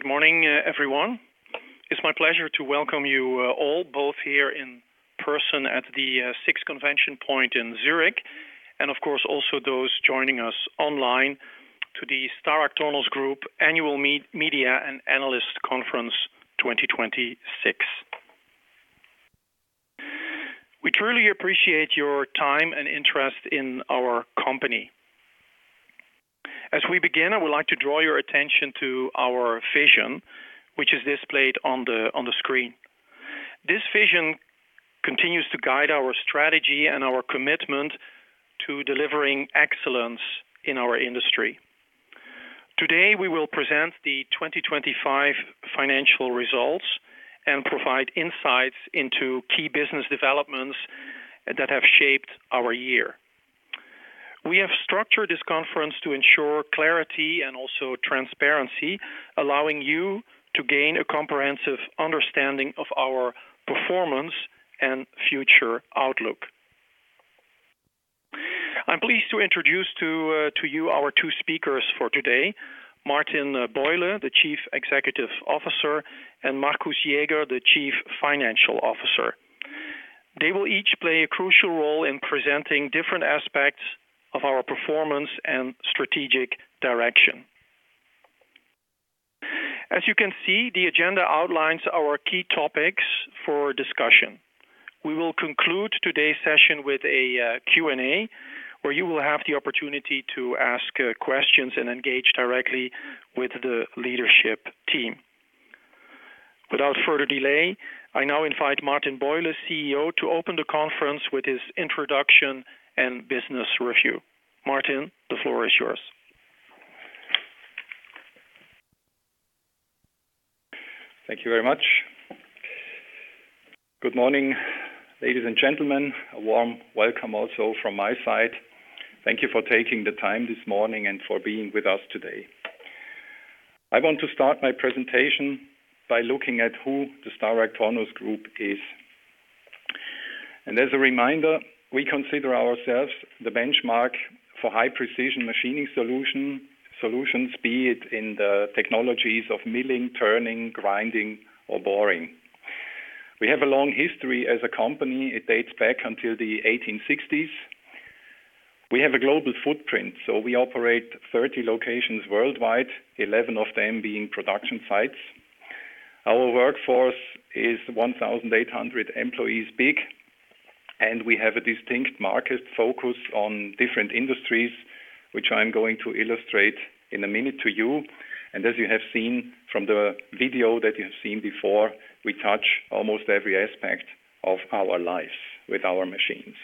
Good morning, everyone. It's my pleasure to welcome you, all, both here in person at the SIX ConventionPoint in Zurich, and of course also those joining us online to the StarragTornos Group Annual Media and Analyst Conference 2026. We truly appreciate your time and interest in our company. As we begin, I would like to draw your attention to our vision, which is displayed on the screen. This vision continues to guide our strategy and our commitment to delivering excellence in our industry. Today, we will present the 2025 financial results and provide insights into key business developments that have shaped our year. We have structured this conference to ensure clarity and also transparency, allowing you to gain a comprehensive understanding of our performance and future outlook. I'm pleased to introduce to you our two speakers for today, Martin Buyle, the Chief Executive Officer, and Markus Jäger, the Chief Financial Officer. They will each play a crucial role in presenting different aspects of our performance and strategic direction. As you can see, the agenda outlines our key topics for discussion. We will conclude today's session with a Q&A, where you will have the opportunity to ask questions and engage directly with the leadership team. Without further delay, I now invite Martin Buyle, CEO, to open the conference with his introduction and business review. Martin, the floor is yours. Thank you very much. Good morning, ladies and gentlemen. A warm welcome also from my side. Thank you for taking the time this morning and for being with us today. I want to start my presentation by looking at who the StarragTornos Group is. As a reminder, we consider ourselves the benchmark for high precision machining solutions, be it in the technologies of milling, turning, grinding, or boring. We have a long history as a company. It dates back until the 1860s. We have a global footprint, so we operate 30 locations worldwide, 11 of them being production sites. Our workforce is 1,800 employees big, and we have a distinct market focus on different industries, which I'm going to illustrate in a minute to you. As you have seen from the video that you've seen before, we touch almost every aspect of our lives with our machines.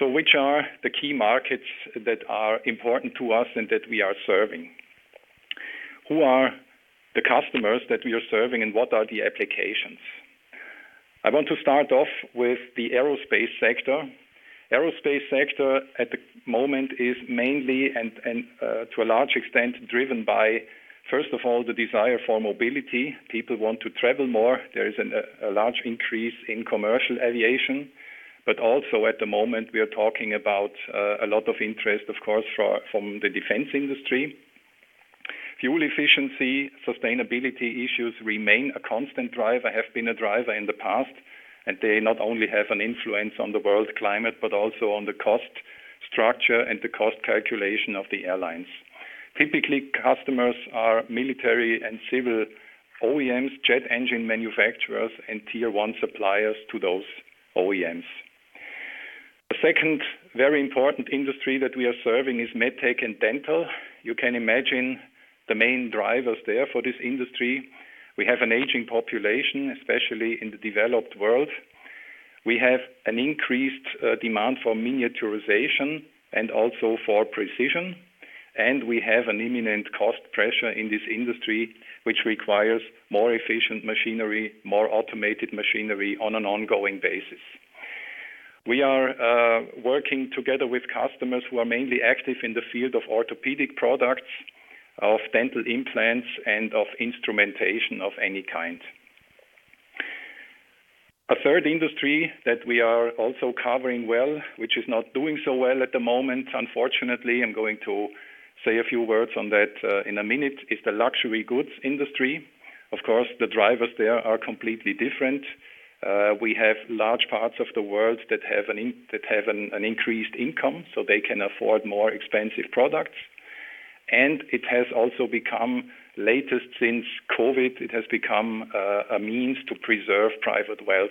Which are the key markets that are important to us and that we are serving? Who are the customers that we are serving and what are the applications? I want to start off with the Aerospace sector. Aerospace sector at the moment is mainly and to a large extent driven by, first of all, the desire for mobility. People want to travel more. There is a large increase in commercial aviation, but also at the moment, we are talking about a lot of interest, of course, from the defense industry. Fuel efficiency, sustainability issues remain a constant driver, have been a driver in the past, and they not only have an influence on the world climate, but also on the cost structure and the cost calculation of the airlines. Typically, customers are military and civil OEMs, jet engine manufacturers, and Tier 1 suppliers to those OEMs. The second very important industry that we are serving is MedTech & Dental. You can imagine the main drivers there for this industry. We have an aging population, especially in the developed world. We have an increased demand for miniaturization and also for precision, and we have an imminent cost pressure in this industry, which requires more efficient machinery, more automated machinery on an ongoing basis. We are working together with customers who are mainly active in the field of orthopedic products, of dental implants, and of instrumentation of any kind. A third industry that we are also covering well, which is not doing so well at the moment, unfortunately, I'm going to say a few words on that, in a minute, is the Luxury Goods industry. Of course, the drivers there are completely different. We have large parts of the world that have an increased income, so they can afford more expensive products. It has also become lately, since COVID, a means to preserve private wealth.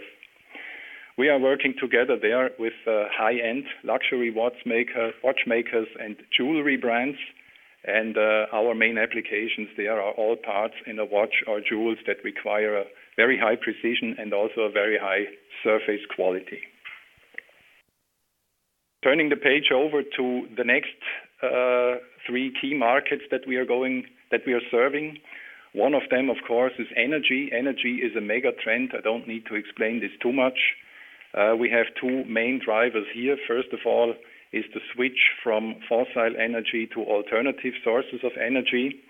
We are working together there with high-end luxury watchmakers and jewelry brands. Our main applications, they are all parts in a watch or jewels that require very high precision and also a very high surface quality. Turning the page over to the next three key markets that we are serving. One of them, of course, is Energy. Energy is a mega trend. I don't need to explain this too much. We have two main drivers here. First of all is to switch from fossil energy to alternative sources of energy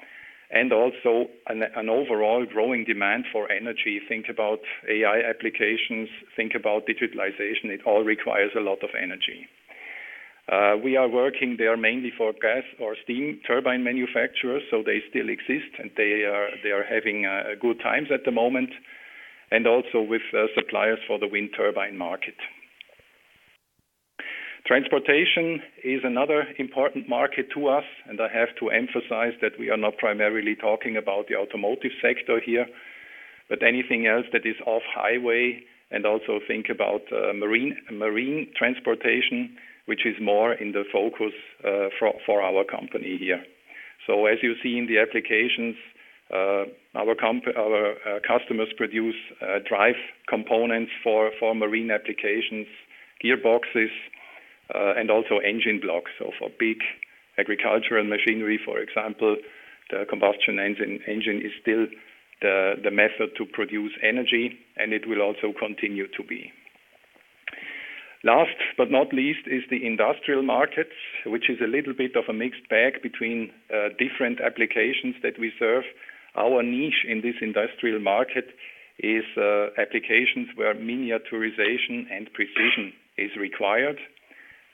and also an overall growing demand for energy. Think about AI applications, think about digitalization; it all requires a lot of energy. We are working there mainly for gas or steam turbine manufacturers, so they still exist, and they are having good times at the moment, and also with suppliers for the wind turbine market. Transportation is another important market to us, and I have to emphasize that we are not primarily talking about the automotive sector here, but anything else that is off-highway and also think about marine transportation, which is more in the focus for our company here. As you see in the applications, our customers produce drive components for marine applications, gearboxes, and also engine blocks. For big agricultural machinery, for example, the combustion engine is still the method to produce energy, and it will also continue to be. Last but not least is the industrial markets, which is a little bit of a mixed bag between different applications that we serve. Our niche in this industrial market is applications where miniaturization and precision is required.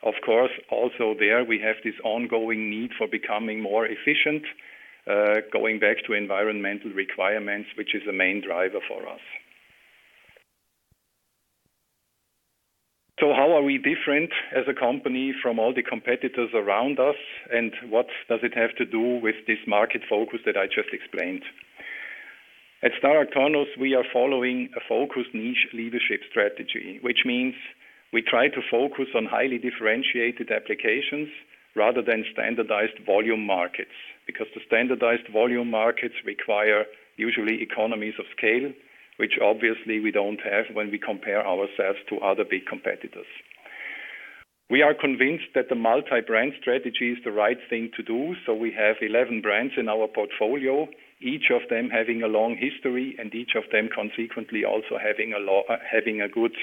Of course, also there we have this ongoing need for becoming more efficient, going back to environmental requirements, which is a main driver for us. How are we different as a company from all the competitors around us, and what does it have to do with this market focus that I just explained? At StarragTornos, we are following a focused niche leadership strategy, which means we try to focus on highly differentiated applications rather than standardized volume markets, because the standardized volume markets require usually economies of scale, which obviously we don't have when we compare ourselves to other big competitors. We are convinced that the multi-brand strategy is the right thing to do, so we have 11 brands in our portfolio, each of them having a long history, and each of them consequently also having a good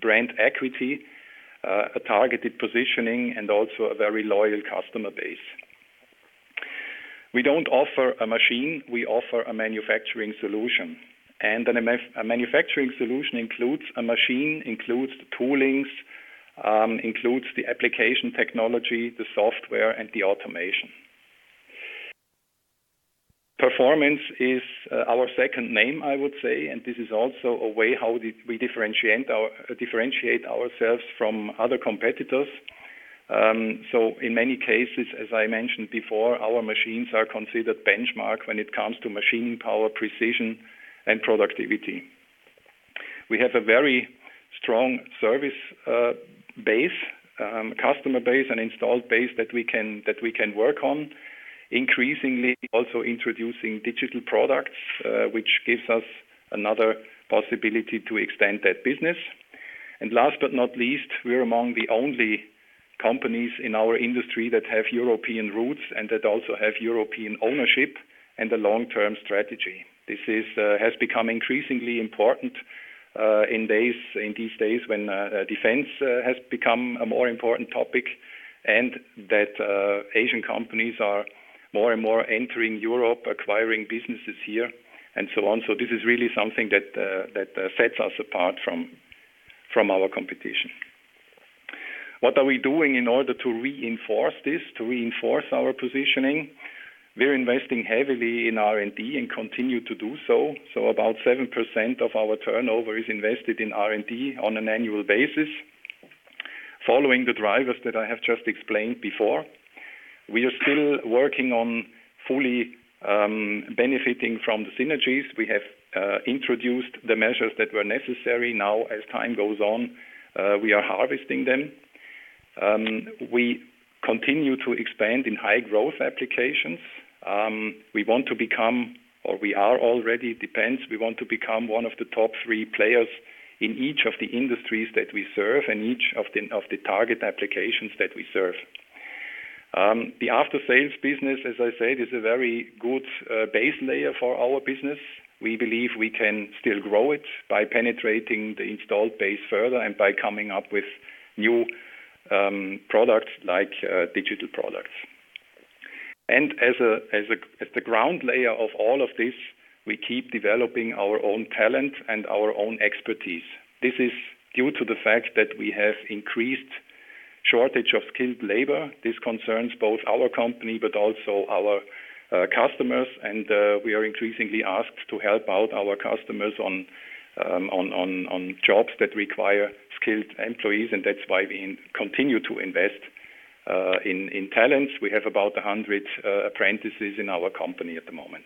brand equity, a targeted positioning, and also a very loyal customer base. We don't offer a machine, we offer a manufacturing solution. A manufacturing solution includes a machine, includes the toolings, includes the application technology, the software, and the automation. Performance is our second name, I would say, and this is also a way how we differentiate ourselves from other competitors. In many cases, as I mentioned before, our machines are considered benchmark when it comes to machine power, precision, and productivity. We have a very strong service base, customer base and installed base that we can work on, increasingly also introducing digital products, which gives us another possibility to extend that business. Last but not least, we are among the only companies in our industry that have European roots and that also have European ownership and a long-term strategy. This has become increasingly important in these days when defense has become a more important topic and that Asian companies are more and more entering Europe, acquiring businesses here, and so on. This is really something that sets us apart from our competition. What are we doing in order to reinforce this, to reinforce our positioning? We're investing heavily in R&D and continue to do so. About 7% of our turnover is invested in R&D on an annual basis. Following the drivers that I have just explained before, we are still working on fully benefiting from the synergies. We have introduced the measures that were necessary. Now, as time goes on, we are harvesting them. We continue to expand in high-growth applications. We want to become one of the top three players in each of the industries that we serve and each of the target applications that we serve. The after-sales business, as I said, is a very good base layer for our business. We believe we can still grow it by penetrating the installed base further and by coming up with new products like digital products. As the ground layer of all of this, we keep developing our own talent and our own expertise. This is due to the fact that we have an increased shortage of skilled labor. This concerns both our company but also our customers, and we are increasingly asked to help out our customers on jobs that require skilled employees, and that's why we continue to invest in talents. We have about 100 apprentices in our company at the moment.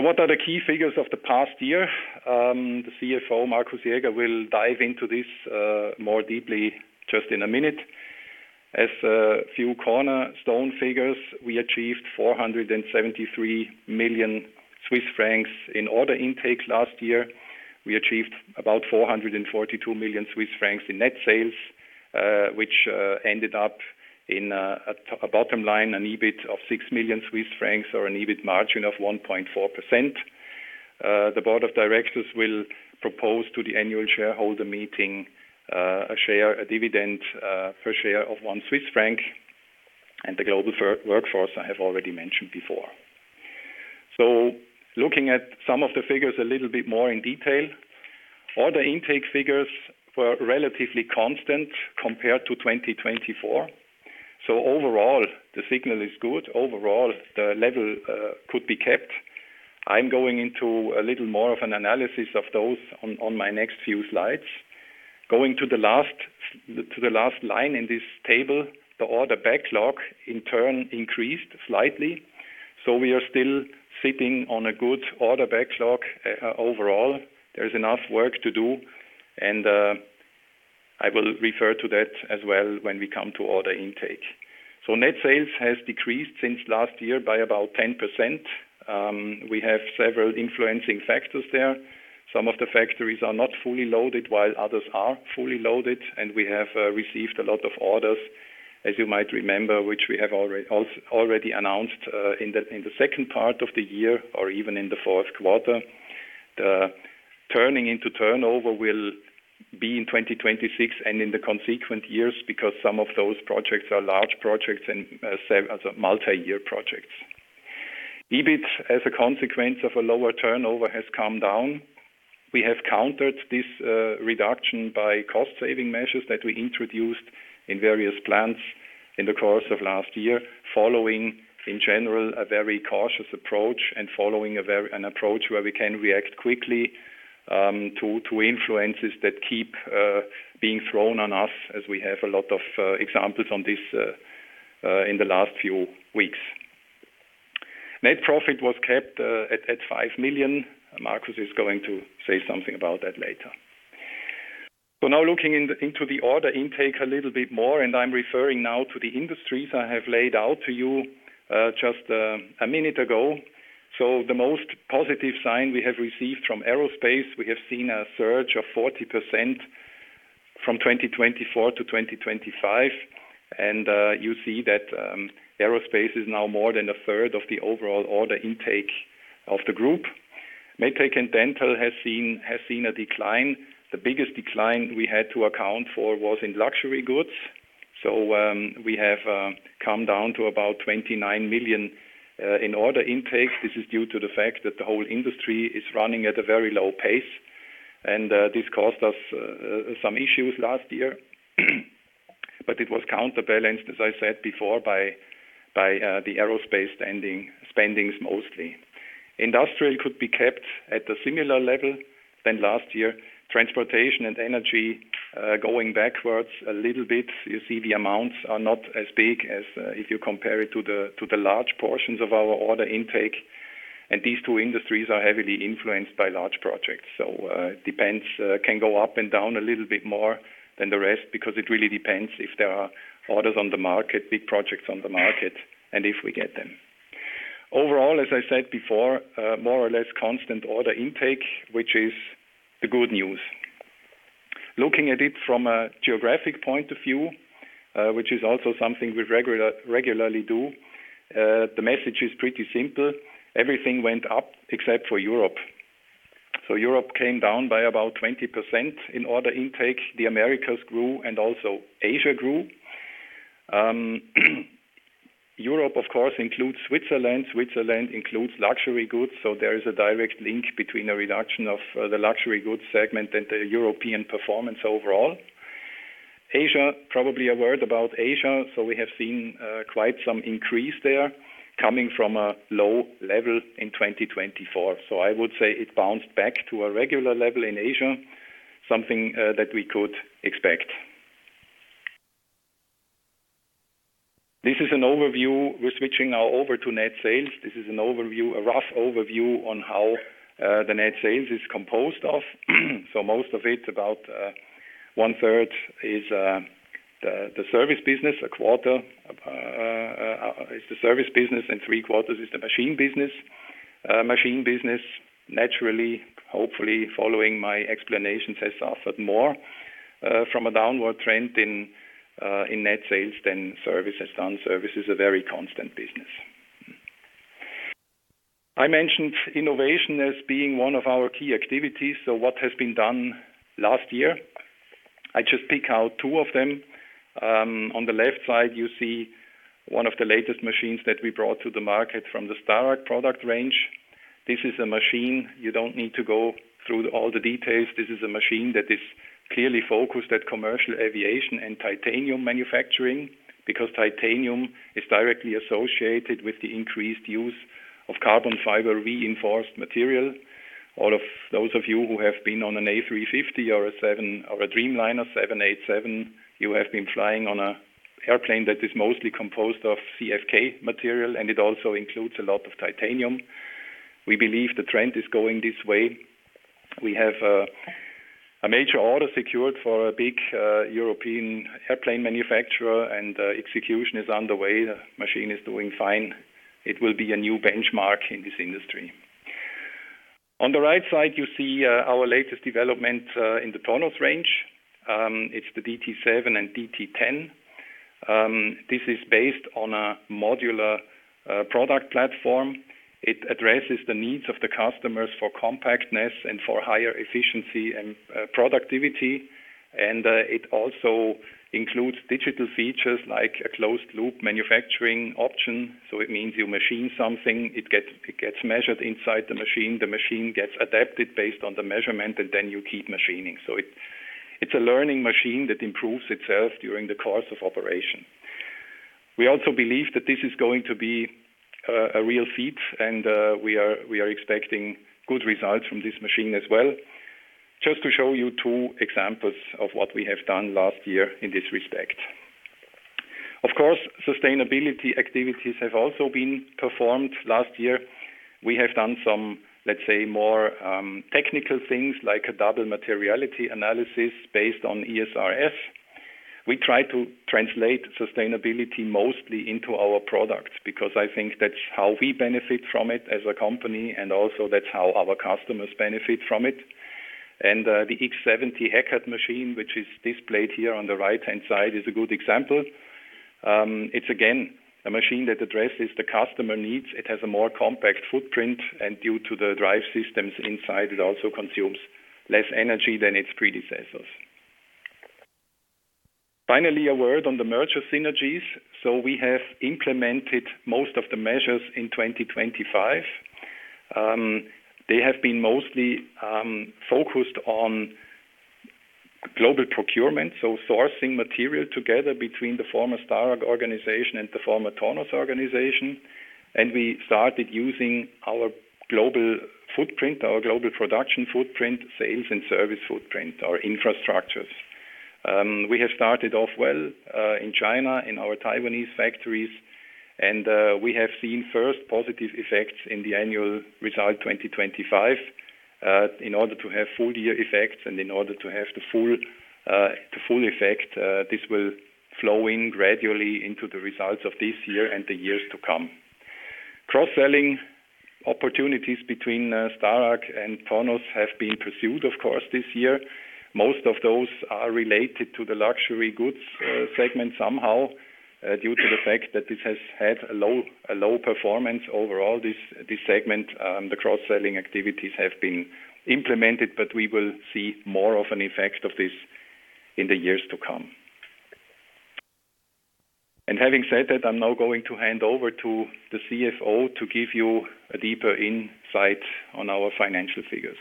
What are the key figures of the past year? The CFO, Markus Jäger, will dive into this more deeply just in a minute. As a few cornerstone figures, we achieved 473 million Swiss francs in order intakes last year. We achieved about 442 million Swiss francs in net sales, which ended up in a bottom line, an EBIT of 6 million Swiss francs or an EBIT margin of 1.4%. The Board of Directors will propose to the Annual Shareholder Meeting a dividend per share of 1 Swiss franc, and the global workforce I have already mentioned before. Looking at some of the figures a little bit more in detail. Order intake figures were relatively constant compared to 2024. Overall, the signal is good. Overall, the level could be kept. I'm going into a little more of an analysis of those on my next few slides. Going to the last line in this table, the order backlog in turn increased slightly. We are still sitting on a good order backlog. Overall, there is enough work to do, and I will refer to that as well when we come to order intake. Net sales has decreased since last year by about 10%. We have several influencing factors there. Some of the factories are not fully loaded while others are fully loaded. We have received a lot of orders, as you might remember, which we have already announced in the second part of the year or even in the fourth quarter. The turning into turnover will be in 2026 and in the subsequent years, because some of those projects are large projects and multi-year projects. EBIT, as a consequence of a lower turnover, has come down. We have countered this reduction by cost saving measures that we introduced in various plants in the course of last year, following, in general, a very cautious approach and following an approach where we can react quickly to influences that keep being thrown on us as we have a lot of examples on this in the last few weeks. Net profit was kept at 5 million. Markus is going to say something about that later. Now looking into the order intake a little bit more, and I'm referring now to the industries I have laid out to you just a minute ago. The most positive sign we have received from Aerospace, we have seen a surge of 40% from 2024 to 2025. You see that Aerospace is now more than a third of the overall order intake of the group. MedTech & Dental has seen a decline. The biggest decline we had to account for was in Luxury Goods. We have come down to about 29 million in order intake. This is due to the fact that the whole industry is running at a very low pace, and this caused us some issues last year. It was counterbalanced, as I said before, by the Aerospace spendings mostly. Industrial could be kept at a similar level than last year. Transportation and Energy going backwards a little bit. You see the amounts are not as big as if you compare it to the large portions of our order intake. These two industries are heavily influenced by large projects. So it depends, it can go up and down a little bit more than the rest because it really depends if there are orders on the market, big projects on the market, and if we get them. Overall, as I said before, more or less constant order intake, which is the good news. Looking at it from a geographic point of view, which is also something we regularly do, the message is pretty simple. Everything went up except for Europe. Europe came down by about 20% in order intake. The Americas grew and also Asia grew. Europe of course, includes Switzerland. Switzerland includes Luxury Goods. There is a direct link between the reduction of, the Luxury Goods segment and the European performance overall. Asia, probably a word about Asia. We have seen quite some increase there coming from a low level in 2024. I would say it bounced back to a regular level in Asia, something that we could expect. This is an overview. We're switching now over to net sales. This is an overview, a rough overview on how the net sales is composed of. Most of it, about 1/3 is the service business—1/4 is the service business, and 3/4 is the machine business. Machine business, naturally, hopefully following my explanations, has suffered more from a downward trend in net sales than service has done. Service is a very constant business. I mentioned innovation as being one of our key activities. What has been done last year? I just pick out two of them. On the left side you see one of the latest machines that we brought to the market from the Starrag product range. This is a machine. You don't need to go through all the details. This is a machine that is clearly focused at commercial aviation and titanium manufacturing because titanium is directly associated with the increased use of carbon fiber-reinforced material. All of those of you who have been on an A350 or a Dreamliner 787, you have been flying on an airplane that is mostly composed of CFK material, and it also includes a lot of titanium. We believe the trend is going this way. We have a major order secured for a big European airplane manufacturer and execution is underway. The machine is doing fine. It will be a new benchmark in this industry. On the right side, you see, our latest development, in the Tornos range. It's the DT 7 and DT 10. This is based on a modular, product platform. It addresses the needs of the customers for compactness and for higher efficiency and, productivity. It also includes digital features like a closed loop manufacturing option. It means you machine something, it gets measured inside the machine, the machine gets adapted based on the measurement, and then you keep machining. It's a learning machine that improves itself during the course of operation. We also believe that this is going to be a real feat, and we are expecting good results from this machine as well. Just to show you two examples of what we have done last year in this respect. Of course, sustainability activities have also been performed last year. We have done some, let's say, more technical things like a double materiality analysis based on ESRS. We try to translate sustainability mostly into our products, because I think that's how we benefit from it as a company, and also that's how our customers benefit from it. The X70 Heckert machine, which is displayed here on the right-hand side, is a good example. It's again a machine that addresses the customer needs. It has a more compact footprint, and due to the drive systems inside, it also consumes less energy than its predecessors. Finally, a word on the merger synergies. We have implemented most of the measures in 2025. They have been mostly focused on global procurement, so sourcing material together between the former Starrag organization and the former Tornos organization. We started using our global footprint, our global production footprint, sales and service footprint, our infrastructures. We have started off well in China, in our Taiwanese factories, and we have seen first positive effects in the annual result 2025. In order to have full-year effects and in order to have the full effect, this will flow in gradually into the results of this year and the years to come. Cross-selling opportunities between Starrag and Tornos have been pursued of course this year. Most of those are related to the Luxury Goods segment somehow, due to the fact that this has had a low performance overall, this segment. The cross-selling activities have been implemented, but we will see more of an effect of this in the years to come. Having said that, I'm now going to hand over to the CFO to give you a deeper insight on our financial figures.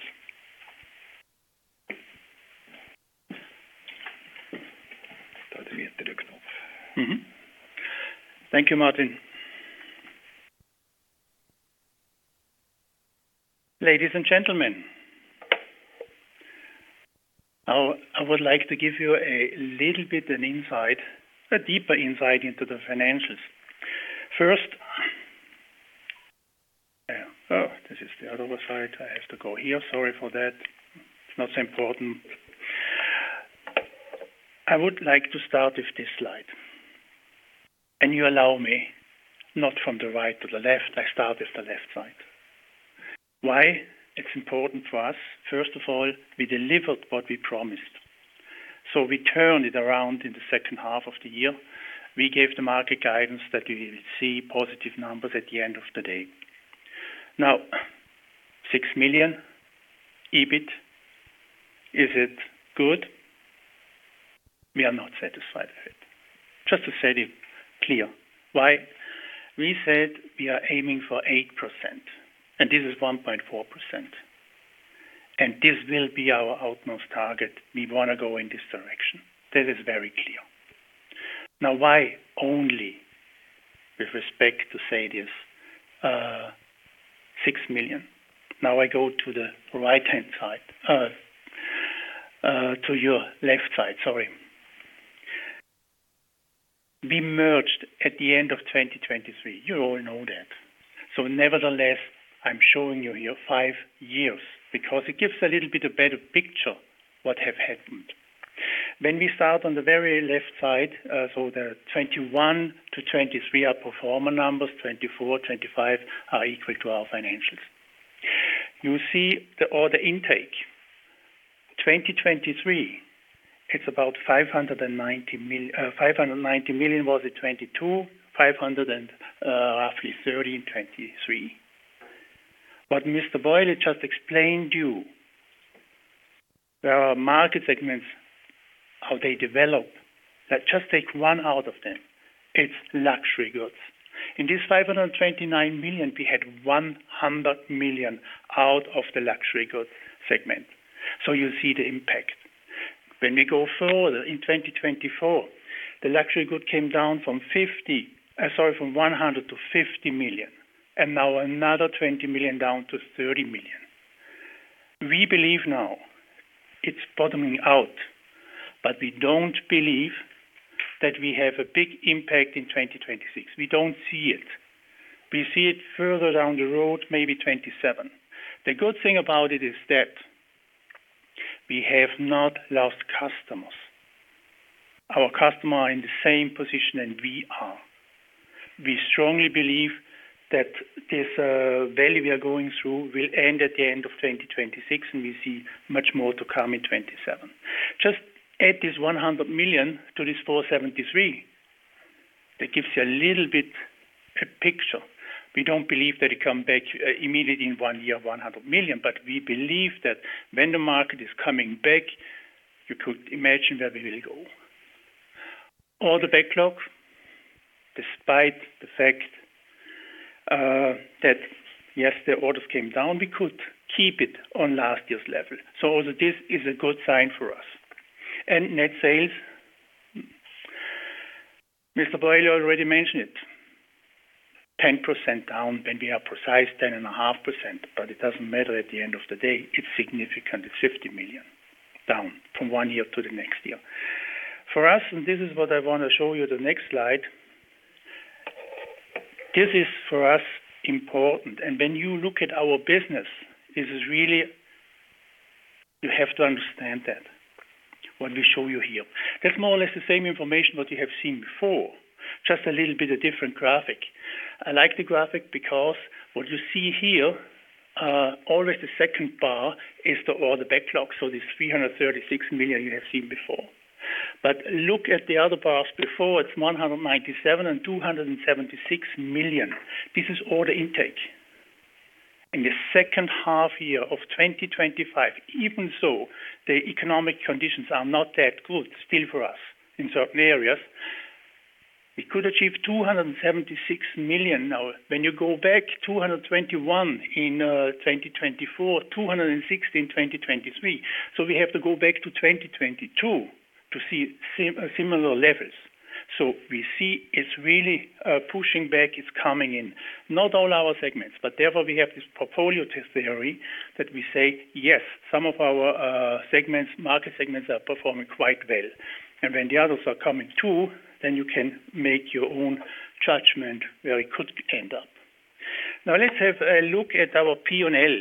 Thank you, Martin. Ladies and gentlemen, I would like to give you a little bit an insight, a deeper insight into the financials. I would like to start with this slide. You allow me, not from the right to the left, I start with the left side. Why it's important for us, first of all, we delivered what we promised. We turned it around in the second half of the year. We gave the market guidance that we will see positive numbers at the end of the day. Now, 6 million EBIT, is it good? We are not satisfied with it. Just to set it clear. Why? We said we are aiming for 8%, and this is 1.4%, and this will be our utmost target. We want to go in this direction. This is very clear. Now, why only with respect to say this, 6 million? Now I go to the right-hand side. To your left side, sorry. We merged at the end of 2023. You all know that. Nevertheless, I'm showing you here five years because it gives a little bit a better picture what have happened. When we start on the very left side, so the 2021-2023 are pro forma numbers, 2024, 2025 are equal to our financials. You see the order intake. 2023, it's about CHF 590 million in 2022, 530 million in 2023. What Mr. Buyle just explained to you, there are market segments, how they develop. Let's just take one out of them. It's Luxury Goods. In this 529 million, we had 100 million out of the Luxury Goods segment. You see the impact. When we go further in 2024, the Luxury Goods came down from 100 million to 50 million, and now another 20 million down to 30 million. We believe now it's bottoming out, but we don't believe that we have a big impact in 2026. We don't see it. We see it further down the road, maybe 2027. The good thing about it is that we have not lost customers. Our customers are in the same position that we are. We strongly believe that this valley we are going through will end at the end of 2026, and we see much more to come in 2027. Just add this 100 million to this 473 million. That gives you a little bit picture. We don't believe that it come back immediately in one year, 100 million, but we believe that when the market is coming back, you could imagine where we will go. Order backlog, despite the fact that yes, the orders came down, we could keep it on last year's level. This also is a good sign for us. Net sales, Mr. Buyle already mentioned it, 10% down, when we are precise, 10.5%, but it doesn't matter at the end of the day; it's significant. It's 50 million down from one year to the next year. For us, this is what I wanna show you the next slide. This is important for us. When you look at our business, this is really—you have to understand that, what we show you here. That's more or less the same information what you have seen before, just a little bit a different graphic. I like the graphic because what you see here, always the second bar is the order backlogs, so this 336 million you have seen before. Look at the other bars before, it's 197 million and 276 million. This is order intake. In the second half year of 2025, even so, the economic conditions are not that good still for us in certain areas. We could achieve 276 million. Now, when you go back, 221 million in 2024, 266 million in 2023. We have to go back to 2022 to see similar levels. We see it's really pushing back, it's coming in. Not all our segments, but therefore we have this portfolio theory that we say, "Yes, some of our segments, market segments are performing quite well." When the others are coming too, then you can make your own judgment where it could end up. Now let's have a look at our P&L.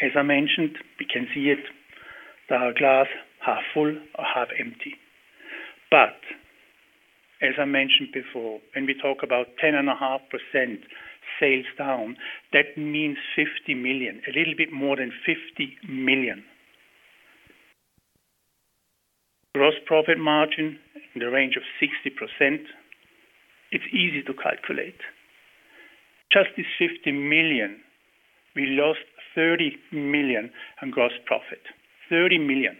As I mentioned, we can see it, the glass half full or half empty. As I mentioned before, when we talk about 10.5% sales down, that means 50 million, a little bit more than 50 million. Gross profit margin in the range of 60%. It's easy to calculate. Just this 50 million, we lost 30 million on gross profit, 30 million.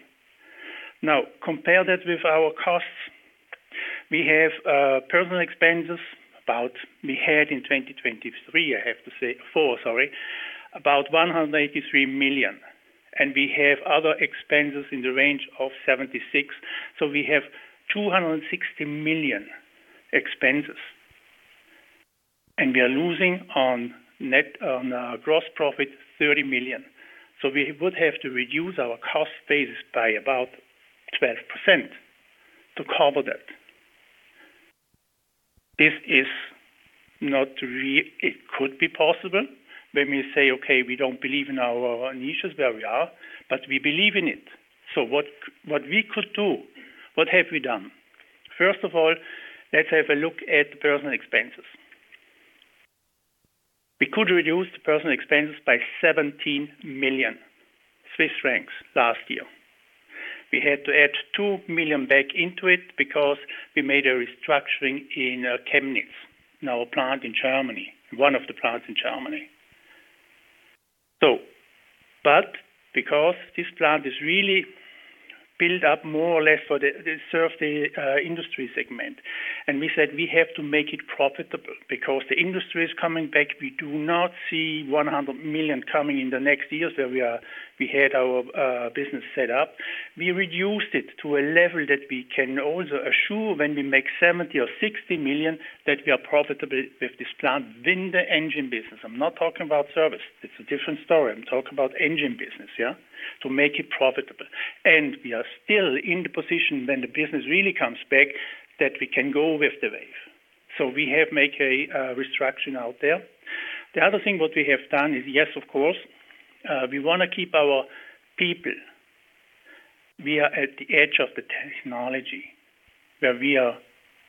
Now, compare that with our costs. We have personnel expenses, about we had in 2023, I have to say, four, sorry, about 183 million. We have other expenses in the range of 76 million. We have 260 million expenses. We are losing on our gross profit, 30 million. We would have to reduce our cost base by about 12% to cover that. This is not. It could be possible when we say, "Okay, we don't believe in our niches where we are," but we believe in it. What we could do, what have we done? First of all, let's have a look at personnel expenses. We could reduce the personnel expenses by 17 million Swiss francs last year. We had to add 2 million back into it because we made a restructuring in Chemnitz, in our plant in Germany, one of the plants in Germany. Because this plant is really built up more or less they serve the Industrial segment. We said we have to make it profitable because the industry is coming back. We do not see 100 million coming in the next years we had our business set up. We reduced it to a level that we can also assure when we make 70 million or 60 million, that we are profitable with this plant within the engine business. I'm not talking about service. It's a different story. I'm talking about engine business, yeah? To make it profitable. We are still in the position when the business really comes back, that we can go with the wave. We have make a restructuring out there. The other thing what we have done is, yes, of course, we wanna keep our people. We are at the edge of the technology where we are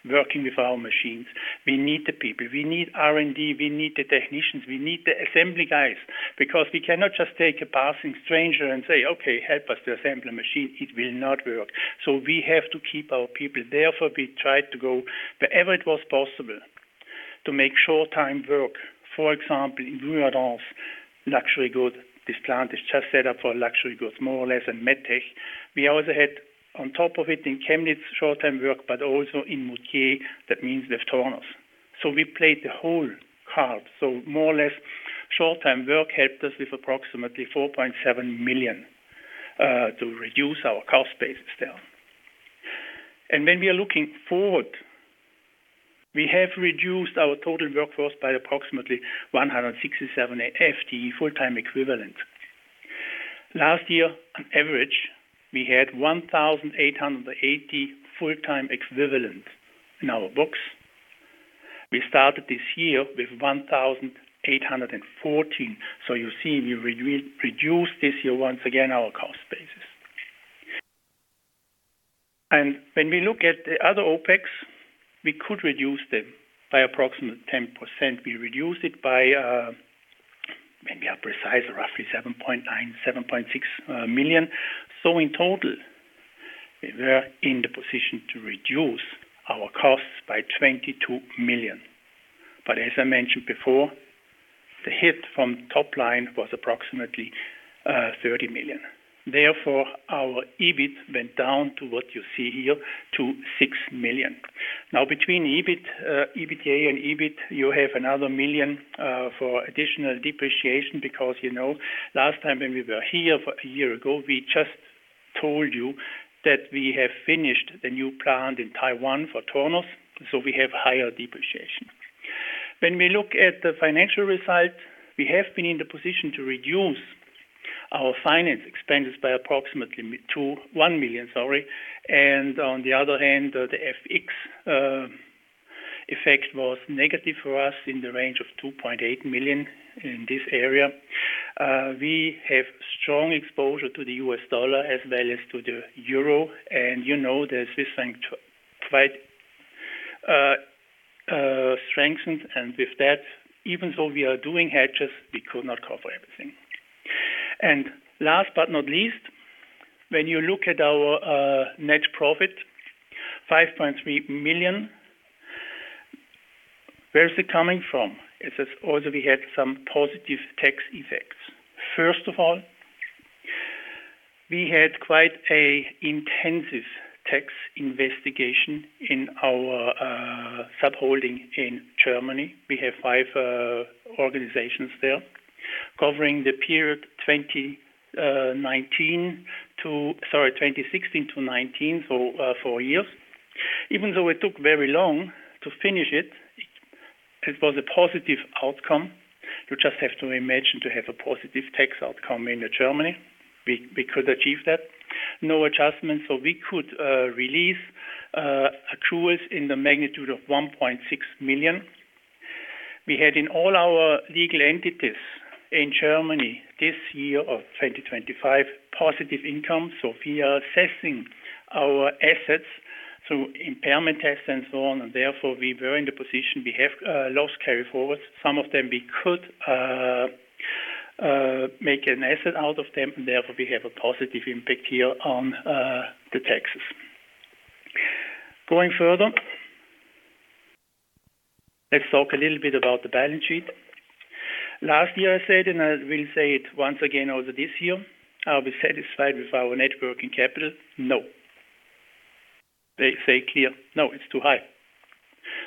working with our machines. We need the people, we need R&D, we need the technicians, we need the assembly guys, because we cannot just take a passing stranger and say, "Okay, help us to assemble a machine." It will not work. We have to keep our people. Therefore, we tried to go wherever it was possible to make short time work. For example, in Vuadens, luxury good. This plant is just set up for Luxury Goods, more or less, and MedTech. We also had on top of it in Chemnitz short-term work, but also in Moutier. That means with Tornos. We played the whole card. More or less short-term work helped us with approximately 4.7 million to reduce our cost base still. When we are looking forward, we have reduced our total workforce by approximately 167 FTE, full-time equivalent. Last year, on average, we had 1,880 full-time equivalent in our books. We started this year with 1,814. You see, we reduced this year once again our cost base. When we look at the other OpEx, we could reduce them by approximately 10%. We reduced it by, maybe a precise roughly 7.6 million. In total, we are in the position to reduce our costs by 22 million. As I mentioned before, the hit from top line was approximately, 30 million. Therefore, our EBIT went down to what you see here, to 6 million. Now, between EBITDA and EBIT, you have another million, for additional depreciation because, you know, last time when we were here a year ago, we just told you that we have finished the new plant in Taiwan for Tornos, so we have higher depreciation. When we look at the financial result, we have been in the position to reduce our finance expenses by approximately 1 million, sorry. On the other hand, the FX effect was negative for us in the range of 2.8 million in this area. We have strong exposure to the U.S. dollar as well as to the euro. You know that this thing quite strengthened. With that, even though we are doing hedges, we could not cover everything. Last but not least, when you look at our net profit, 5.3 million, where is it coming from? It is also we had some positive tax effects. First of all, we had quite an intensive tax investigation in our sub-holding in Germany. We have five organizations there. Covering the period 2016-2019, so four years. Even though it took very long to finish it was a positive outcome. You just have to imagine to have a positive tax outcome in Germany. We could achieve that. No adjustment, so we could release accruals in the magnitude of 1.6 million. We had in all our legal entities in Germany this year of 2025, positive income. We are assessing our assets through impairment tests and so on. Therefore, we were in the position we have loss carry forward. Some of them we could make an asset out of them, and therefore, we have a positive impact here on the taxes. Going further. Let's talk a little bit about the balance sheet. Last year, I said, and I will say it once again also this year. Are we satisfied with our net working capital? No. To say, clear, no, it's too high.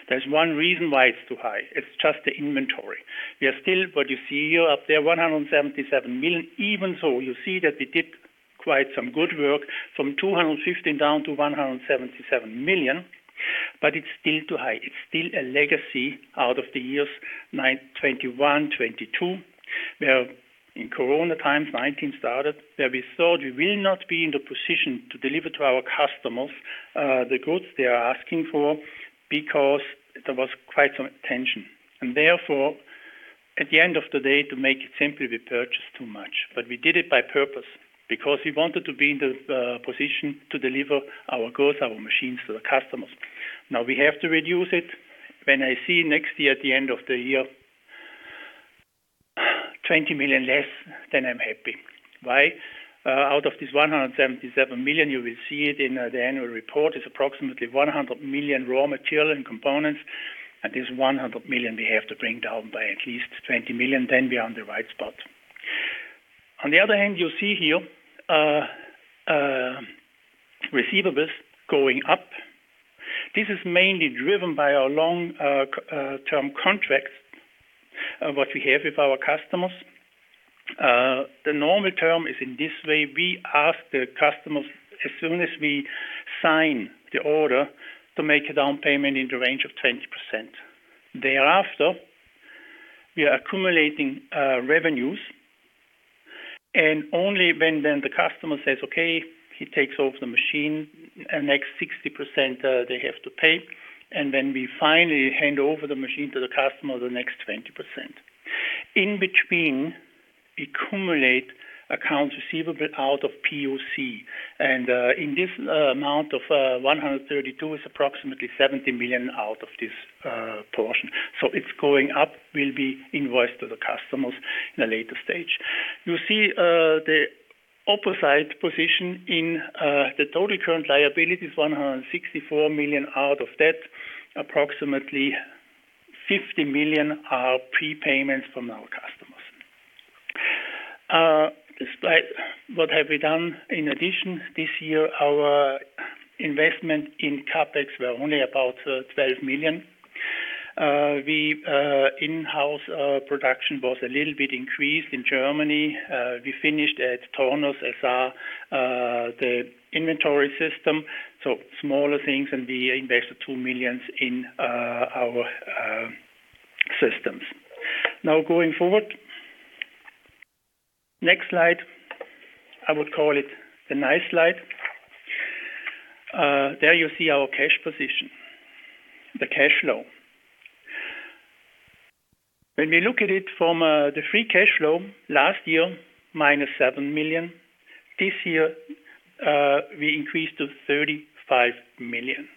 There's one reason why it's too high: it's just the inventory. We are still what you see here up there, 177 million. Even so, you see that we did quite some good work from 215 million down to 177 million, but it's still too high. It's still a legacy out of the years 2021, 2022, where in Corona times, 2019 started, where we thought we will not be in the position to deliver to our customers, the goods they are asking for because there was quite some tension. Therefore, at the end of the day, to make it simple, we purchased too much. We did it on purpose because we wanted to be in the position to deliver our goods, our machines to the customers. Now we have to reduce it. When I see next year at the end of the year, 20 million less, then I'm happy. Why? Out of this 177 million, you will see it in the annual report, it's approximately 100 million raw material and components. This 100 million we have to bring down by at least 20 million, then we are on the right spot. On the other hand, you see here, receivables going up. This is mainly driven by our long term contracts, what we have with our customers. The normal term is in this way, we ask the customers as soon as we sign the order to make a down payment in the range of 10%. Thereafter, we are accumulating revenues. Only when then the customer says, okay, he takes over the machine, the next 60%, they have to pay. When we finally hand over the machine to the customer, the next 20%. In between, we cumulate accounts receivable out of POC. In this amount of 132 million is approximately 70 million out of this portion. It's going up, will be invoiced to the customers in a later stage. You see, the opposite position in the total current liability is 164 million. Out of that, approximately 50 million are prepayments from our customers. Despite what have we done in addition this year, our investment in CapEx were only about 12 million. We in-house production was a little bit increased in Germany. We finished at Tornos SA the inventory system, so smaller things, and we invested 2 million in our systems. Now going forward. Next slide, I would call it the nice slide. There you see our cash position, the cash flow. When we look at it from the free cash flow last year, -7 million. This year, we increased to 35 million.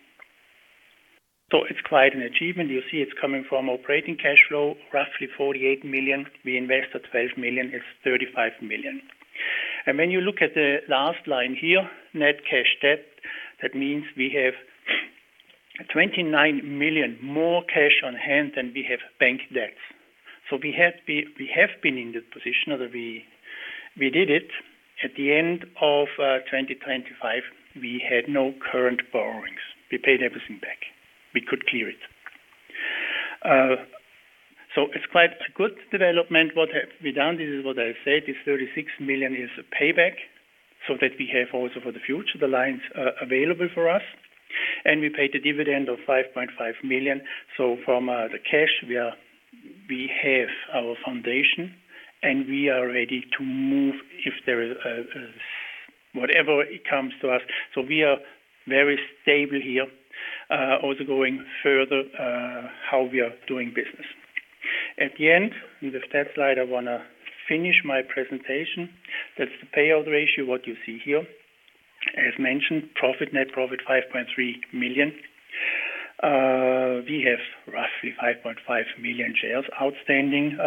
It's quite an achievement. You see it's coming from operating cash flow, roughly 48 million. We invested 12 million, now it's 35 million. When you look at the last line here, net cash debt, that means we have 29 million more cash on hand than we have bank debts. We have been in that position that we did it. At the end of 2025, we had no current borrowings. We paid everything back. We could clear it. It's quite a good development. What have we done? This is what I said, this 36 million is a payback, so that we have also for the future, the lines, available for us. We paid a dividend of 5.5 million. From the cash we have our foundation, and we are ready to move if there is, whatever it comes to us. We are very stable here, also going further, how we are doing business. At the end, with that slide, I wanna finish my presentation. That's the payout ratio, what you see here. As mentioned, profit, net profit, 5.3 million. We have roughly 5.5 million shares outstanding.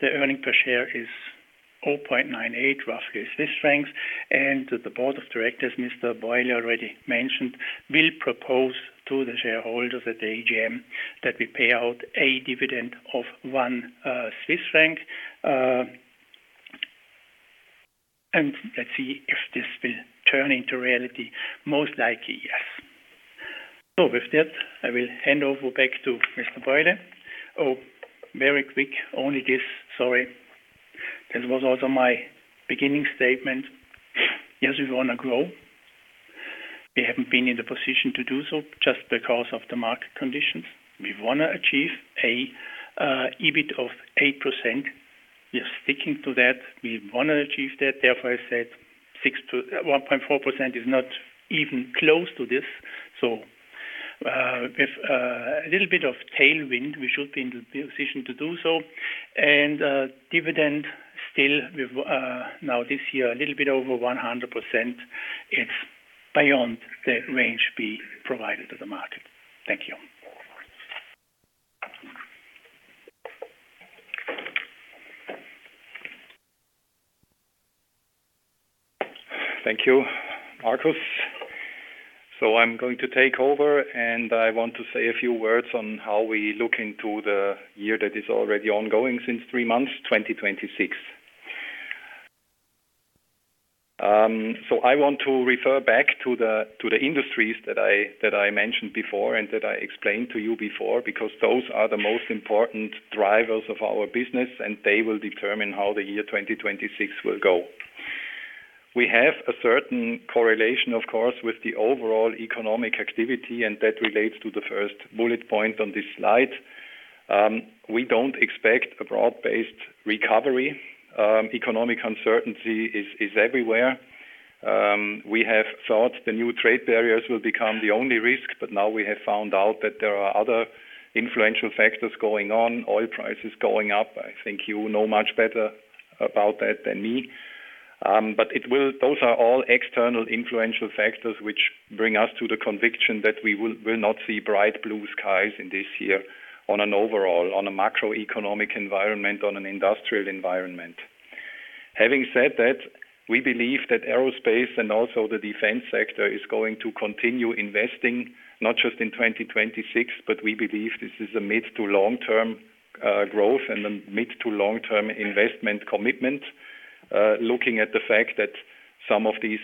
The earnings per share is 0.98, roughly Swiss francs. The Board of Directors, as Mr. Buyle already mentioned, will propose to the shareholders at the AGM that we pay out a dividend of 1 Swiss franc. Let's see if this will turn into reality. Most likely, yes. With that, I will hand over back to Mr. Buyle. Oh, very quick. Only this. Sorry. This was also my beginning statement. Yes, we wanna grow. We haven't been in the position to do so just because of the market conditions. We wanna achieve a EBIT of 8%. We are sticking to that. We wanna achieve that. Therefore, I said 6% to—1.4% is not even close to this. With a little bit of tailwind, we should be in the position to do so. Dividend still with now this year, a little bit over 100%. It's beyond the range we provided to the market. Thank you. Thank you, Markus. I'm going to take over, and I want to say a few words on how we look into the year that is already ongoing since three months, 2026. I want to refer back to the industries that I mentioned before and that I explained to you before, because those are the most important drivers of our business, and they will determine how the year 2026 will go. We have a certain correlation, of course, with the overall economic activity, and that relates to the first bullet point on this slide. We don't expect a broad-based recovery. Economic uncertainty is everywhere. We have thought the new trade barriers will become the only risk, but now we have found out that there are other influential factors going on, oil prices going up. I think you know much better about that than me. Those are all external influential factors which bring us to the conviction that we will not see bright blue skies in this year on an overall, on a macroeconomic environment, on an industrial environment. Having said that, we believe that Aerospace and also the defense sector is going to continue investing, not just in 2026, but we believe this is a mid- to long-term growth and a mid-to long-term investment commitment, looking at the fact that some of these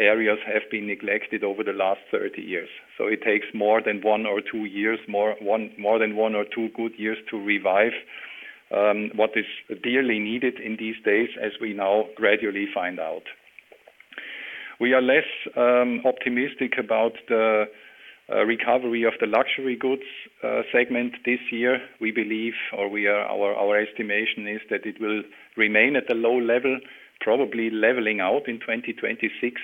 areas have been neglected over the last thirty years. It takes more than one or two years, more than one or two good years to revive what is dearly needed in these days, as we now gradually find out. We are less optimistic about the recovery of the Luxury Goods segment this year. Our estimation is that it will remain at a low level, probably leveling out in 2026,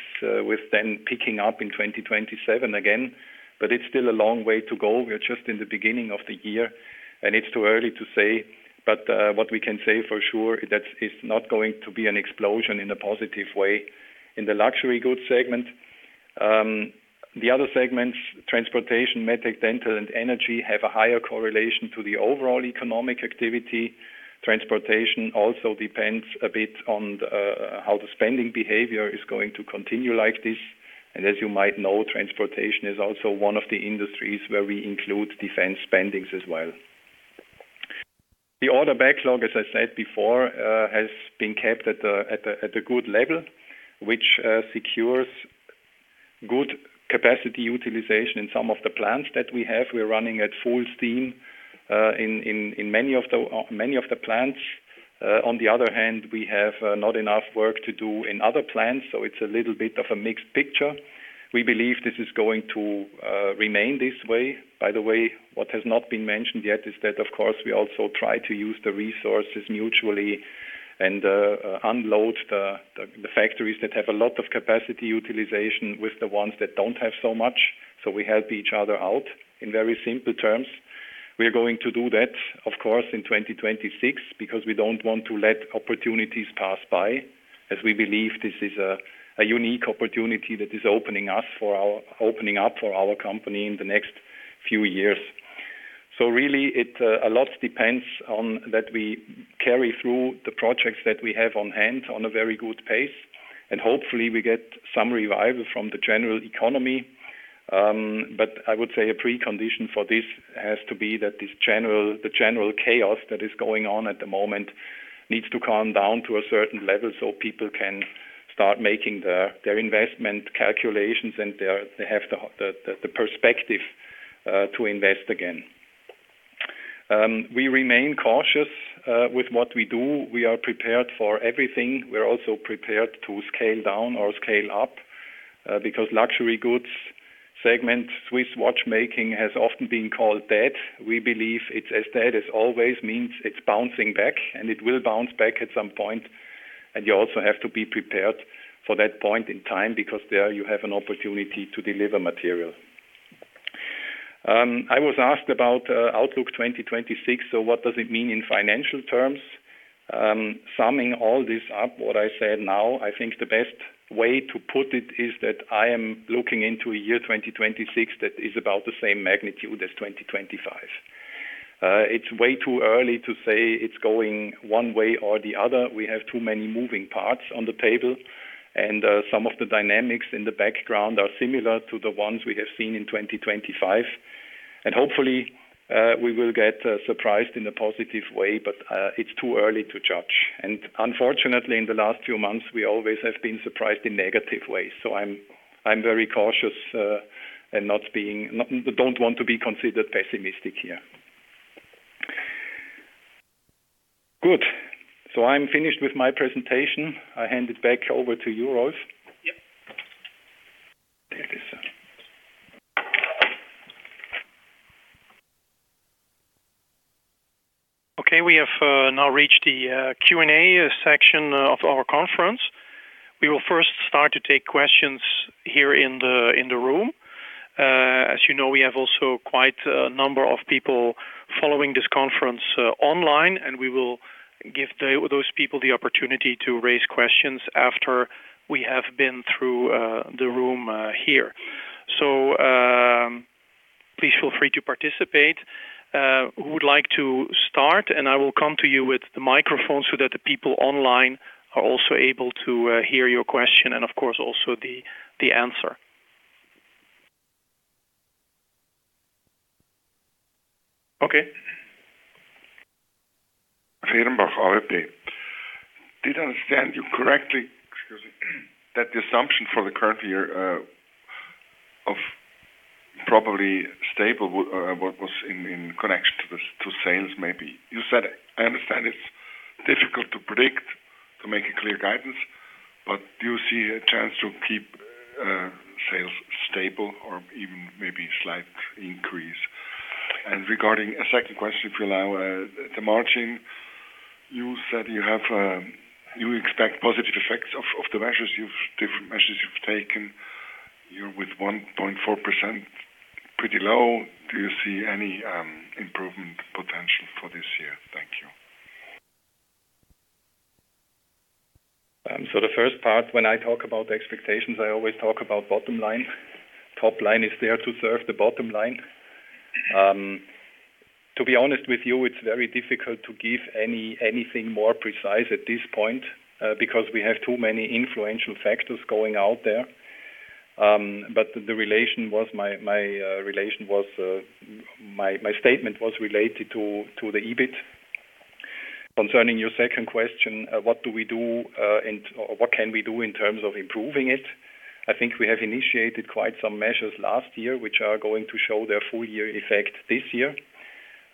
with then picking up in 2027 again. It's still a long way to go. We're just in the beginning of the year, and it's too early to say. What we can say for sure is that it's not going to be an explosion in a positive way in the Luxury Goods segment. The other segments, Transportation, MedTech & Dental and Energy, have a higher correlation to the overall economic activity. Transportation also depends a bit on how the spending behavior is going to continue like this. As you might know, Transportation is also one of the industries where we include defense spendings as well. The order backlog, as I said before, has been kept at a good level, which secures good capacity utilization in some of the plants that we have. We're running at full steam in many of the plants. On the other hand, we have not enough work to do in other plants, so it's a little bit of a mixed picture. We believe this is going to remain this way. By the way, what has not been mentioned yet is that, of course, we also try to use the resources mutually and unload the factories that have a lot of capacity utilization with the ones that don't have so much. We help each other out in very simple terms. We are going to do that, of course, in 2026 because we don't want to let opportunities pass by as we believe this is a unique opportunity that is opening up for our company in the next few years. Really it a lot depends on that we carry through the projects that we have on hand on a very good pace, and hopefully we get some revival from the general economy. I would say a precondition for this has to be that the general chaos that is going on at the moment needs to calm down to a certain level so people can start making their investment calculations and they have the perspective to invest again. We remain cautious with what we do. We are prepared for everything. We're also prepared to scale down or scale up, because Luxury Goods segment, Swiss watchmaking, has often been called dead. We believe it's as dead as always means it's bouncing back, and it will bounce back at some point. You also have to be prepared for that point in time because there you have an opportunity to deliver material. I was asked about outlook 2026, so what does it mean in financial terms? Summing all this up, what I said now, I think the best way to put it is that I am looking into a year 2026 that is about the same magnitude as 2025. It's way too early to say it's going one way or the other. We have too many moving parts on the table, and some of the dynamics in the background are similar to the ones we have seen in 2025. Hopefully, we will get surprised in a positive way, but it's too early to judge. Unfortunately, in the last few months, we always have been surprised in negative ways. I'm very cautious, and don't want to be considered pessimistic here. Good. I'm finished with my presentation. I hand it back over to you, Rolph. Yep. Okay, we have now reached the Q&A section of our conference. We will first start to take questions here in the room. As you know, we have also quite a number of people following this conference online, and we will give those people the opportunity to raise questions after we have been through the room here. Please feel free to participate. Who would like to start? I will come to you with the microphone so that the people online are also able to hear your question and of course, also the answer. Okay. Fehrenbach, AWP. Did I understand you correctly, excuse me, that the assumption for the current year of probably stable or what was in connection to sales maybe? You said, I understand it's difficult to predict, to make a clear guidance, but do you see a chance to keep sales stable or even maybe slight increase? Regarding a second question, if you allow, the margin, you said you have, you expect positive effects of different measures you've taken. You're with 1.4%, pretty low. Do you see any improvement potential for this year? Thank you. The first part, when I talk about expectations, I always talk about bottom line. Top line is there to serve the bottom line. To be honest with you, it's very difficult to give anything more precise at this point, because we have too many influential factors going out there. My statement was related to the EBIT. Concerning your second question, what do we do or what can we do in terms of improving it? I think we have initiated quite some measures last year, which are going to show their full-year effect this year.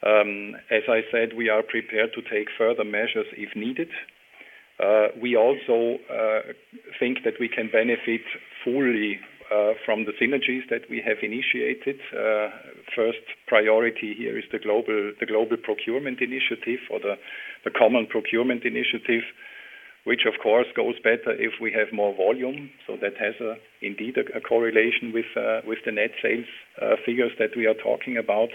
As I said, we are prepared to take further measures if needed. We also think that we can benefit fully from the synergies that we have initiated. First priority here is the global procurement initiative or the common procurement initiative, which of course goes better if we have more volume. That has indeed a correlation with the net sales figures that we are talking about.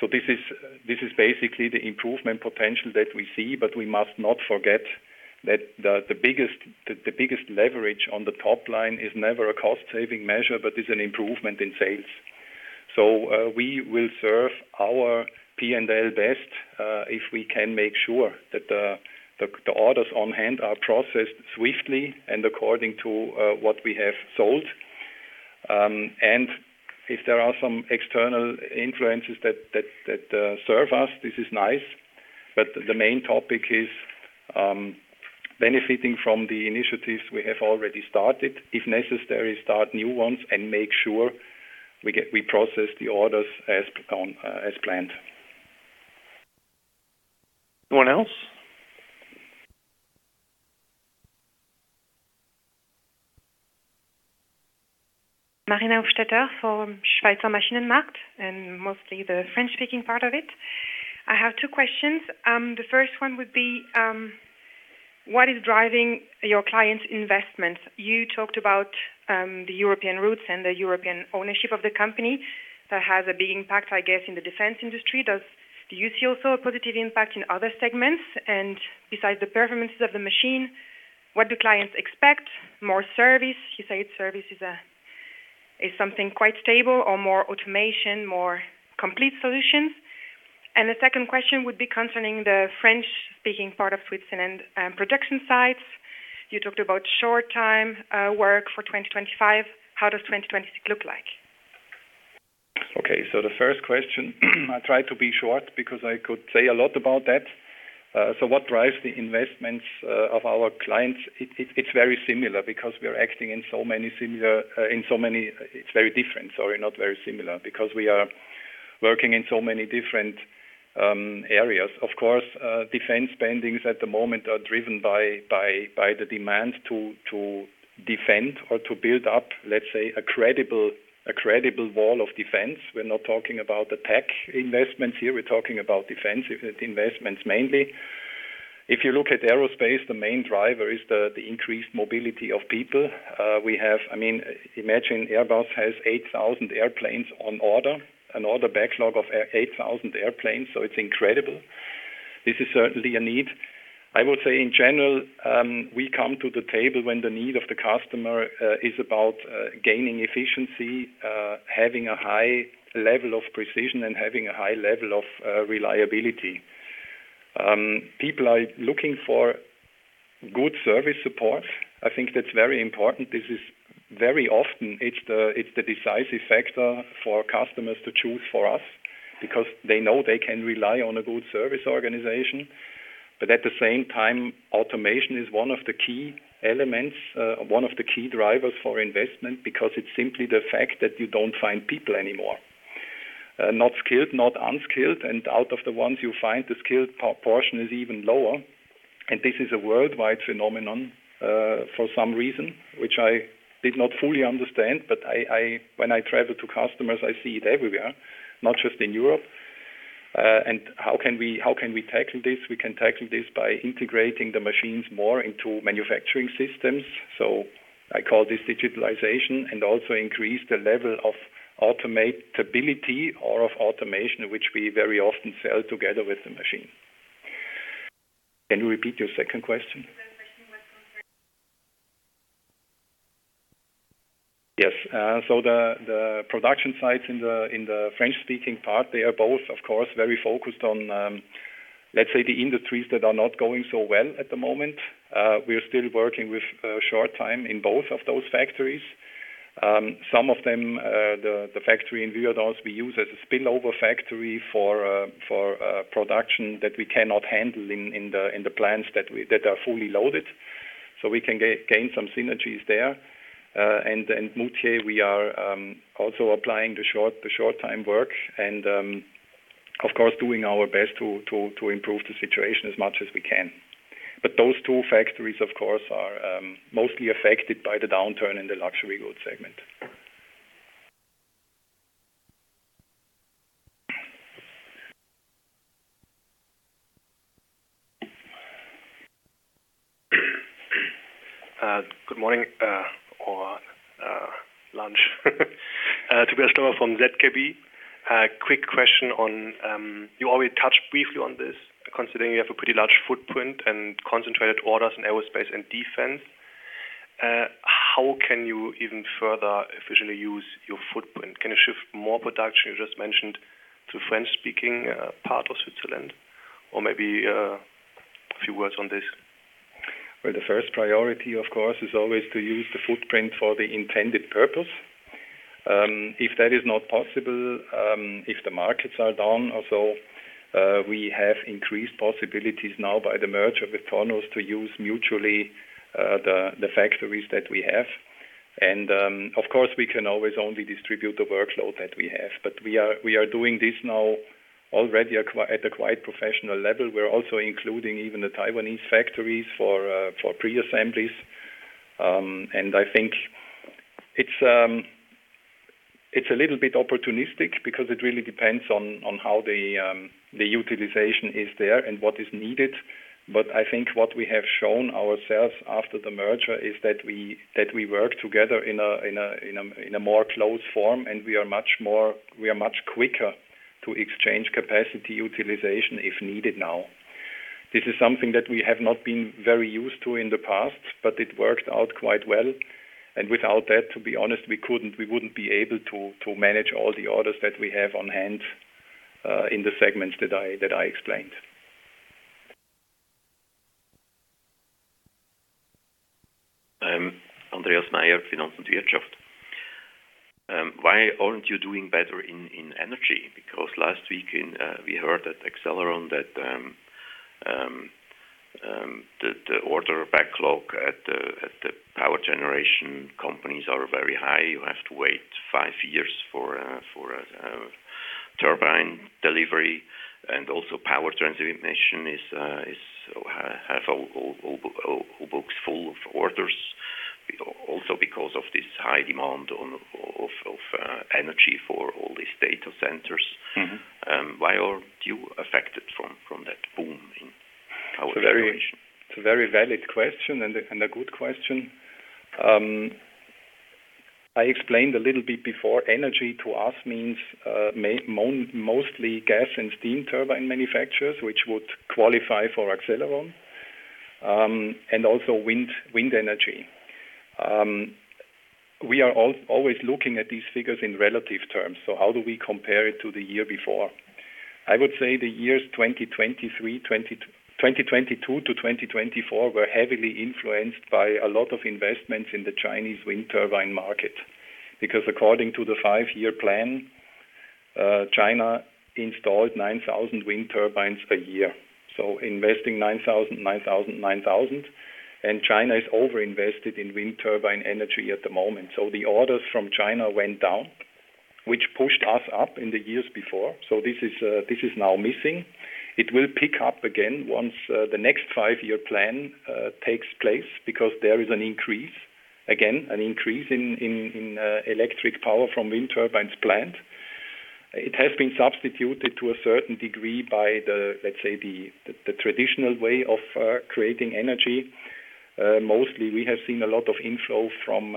This is basically the improvement potential that we see, but we must not forget that the biggest leverage on the top line is never a cost-saving measure, but is an improvement in sales. We will serve our P&L best if we can make sure that the orders on hand are processed swiftly and according to what we have sold. If there are some external influences that serve us, this is nice. The main topic is benefiting from the initiatives we have already started. If necessary, start new ones and make sure we process the orders as planned. Anyone else? Marina Hofstetter from Schweizer Maschinenmarkt, and mostly the French-speaking part of it. I have two questions. The first one would be, what is driving your clients' investments? You talked about the European roots and the European ownership of the company. That has a big impact, I guess, in the defense industry. Do you see also a positive impact in other segments? And besides the performances of the machine, what do clients expect? More service? You said service is something quite stable or more automation, more complete solutions. And the second question would be concerning the French-speaking part of Switzerland, production sites. You talked about short time work for 2025. How does 2026 look like? Okay. The first question, I'll try to be short because I could say a lot about that. What drives the investments of our clients? It's very different, sorry, not very similar, because we are working in so many different areas. Of course, defense spending at the moment is driven by the demands to defend or to build up, let's say, a credible wall of defense. We're not talking about the tech investments here, we're talking about defense investments mainly. If you look at Aerospace, the main driver is the increased mobility of people. I mean, imagine Airbus has 8,000 airplanes on order, an order backlog of 8,000 airplanes, so it's incredible. This is certainly a need. I would say in general, we come to the table when the need of the customer is about gaining efficiency, having a high level of precision and having a high level of reliability. People are looking for good service support. I think that's very important. This is very often it's the decisive factor for customers to choose for us because they know they can rely on a good service organization. At the same time, automation is one of the key elements, one of the key drivers for investment because it's simply the fact that you don't find people anymore. Not skilled, not unskilled, and out of the ones you find, the skilled proportion is even lower. This is a worldwide phenomenon, for some reason, which I did not fully understand, but I when I travel to customers, I see it everywhere, not just in Europe. How can we tackle this? We can tackle this by integrating the machines more into manufacturing systems. I call this digitalization, and also increase the level of automatability or of automation, which we very often sell together with the machine. Can you repeat your second question? [inaudible] Yes, the production sites in the French-speaking part are both, of course, very focused on, let's say, the industries that are not going so well at the moment. We are still working with short time in both of those factories. The factory in Vuadens, we use as a spillover factory for production that we cannot handle in the plants that are fully loaded. We can gain some synergies there. Moutier, we are also applying the short time work and, of course, doing our best to improve the situation as much as we can. Those two factories, of course, are mostly affected by the downturn in the Luxury Goods segment. Good morning or lunch. Tobias Klöpper from ZKB. Quick question on, you already touched briefly on this, considering you have a pretty large footprint and concentrated orders in aerospace and defense. How can you even further efficiently use your footprint? Can you shift more production, you just mentioned, to French-speaking part of Switzerland? Or maybe a few words on this. Well, the first priority, of course, is always to use the footprint for the intended purpose. If that is not possible, if the markets are down also, we have increased possibilities now by the merger with Tornos to use mutually the factories that we have. Of course, we can always only distribute the workload that we have. We are doing this now already at a quite professional level. We're also including even the Taiwanese factories for pre-assemblies. I think it's a little bit opportunistic because it really depends on how the utilization is there and what is needed. I think what we have shown ourselves after the merger is that we work together in a more close form, and we are much quicker to exchange capacity utilization if needed now. This is something that we have not been very used to in the past, but it worked out quite well. Without that, to be honest, we wouldn't be able to manage all the orders that we have on hand in the segments that I explained. Andreas Meier, Finanz und Wirtschaft. Why aren't you doing better in Energy? Because last week we heard at Accelleron that the order backlog at the power generation companies are very high. You have to wait five years for turbine delivery and also power transformation have all books full of orders, also because of this high demand of energy for all these data centers. Mm-hmm. Why aren't you affected from that boom in power generation? It's a very valid question and a good question. I explained a little bit before, Energy to us means mostly gas and steam turbine manufacturers, which would qualify for Accelleron, and also wind energy. We are always looking at these figures in relative terms. How do we compare it to the year before? I would say the years 2022-2024 were heavily influenced by a lot of investments in the Chinese wind turbine market. Because according to the five-year plan, China installed 9,000 wind turbines per year. Investing 9,000, 9,000, 9,000. China is over-invested in wind turbine energy at the moment. The orders from China went down, which pushed us up in the years before; this is now missing. It will pick up again once the next five-year plan takes place because there is an increase in electric power from wind turbines planned. It has been substituted to a certain degree by the, let's say, traditional way of creating energy. Mostly, we have seen a lot of inflow from